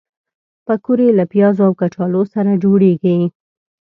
پکورې له پیازو او کچالو سره جوړېږي